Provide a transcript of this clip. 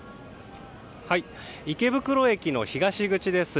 池袋駅の東口です。